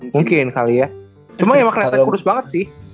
mungkin kali ya cuma emang kelihatan kurus banget sih